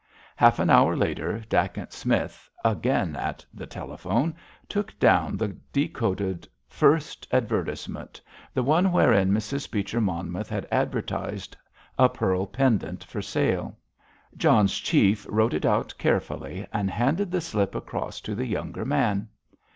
Half an hour later Dacent Smith, again at the telephone, took down the decoded first advertisement, the one wherein Mrs. Beecher Monmouth had advertised a pearl pendant for sale. John's chief wrote it out carefully, and handed the slip across to the younger man.